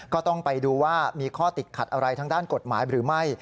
ก็ต้องไปดูว่ามีข้อติดขัดอะไรทางด้านกฎหมายหรือไม่